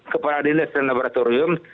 kepada dinas dan laboratorium